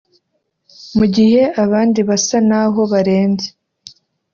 mu gihe abandi basa naho barembye